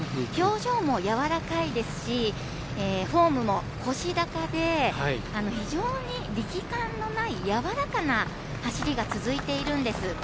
表情もやわらかいですしフォームも腰高で非常に力感のないやわらかな走りが続いているんです。